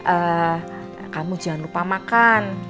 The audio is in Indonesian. eh kamu jangan lupa makan